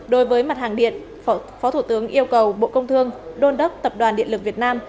đối với mặt hàng điện phó thủ tướng yêu cầu bộ công thương đôn đốc tập đoàn điện lực việt nam